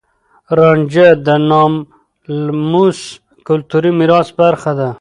رانجه د ناملموس کلتوري ميراث برخه ده.